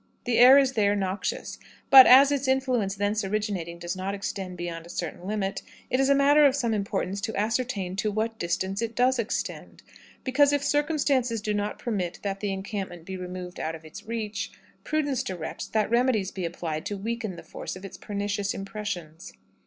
The air is there noxious; but, as its influence thence originating does not extend beyond a certain limit, it is a matter of some importance to ascertain to what distance it does extend; because, if circumstances do not permit that the encampment be removed out of its reach, prudence directs that remedies be applied to weaken the force of its pernicious impressions.